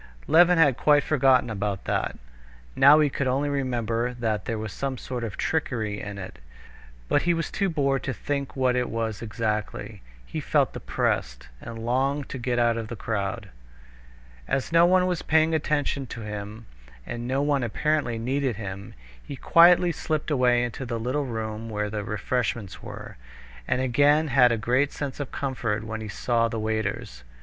Levin had quite forgotten about that. Now he could only remember that there was some sort of trickery in it, but he was too bored to think what it was exactly. He felt depressed, and longed to get out of the crowd. As no one was paying any attention to him, and no one apparently needed him, he quietly slipped away into the little room where the refreshments were, and again had a great sense of comfort when he saw the waiters.